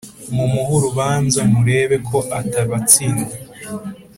Mumuhe urubanza murebe ko atabatsinda